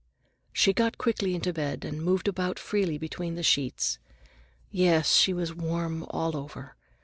She got quickly into bed and moved about freely between the sheets. Yes, she was warm all over.